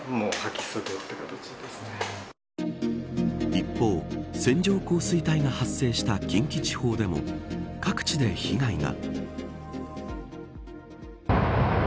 一方、線状降水帯が発生した近畿地方でも各地で被害が。